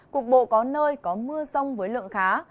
cục bộ có nơi có mưa rông với lượng khá